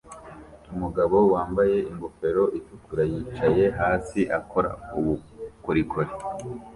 Umugabo wambaye ingofero itukura yicaye hasi akora ubukorikori